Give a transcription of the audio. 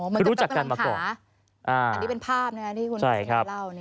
อ๋อเหมือนกับการหาอันนี้เป็นภาพนะครับ